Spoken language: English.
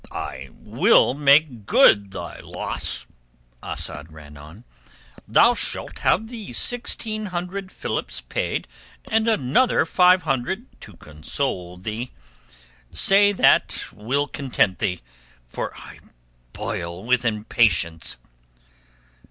"I will make good thy, loss," Asad ran on. "Thou shalt have the sixteen hundred philips paid and another five hundred to console thee. Say that will content thee; for I boil with impatience."